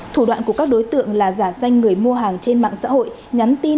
thủ đoạn của các đối tượng là giả danh người mua hàng trên mạng xã hội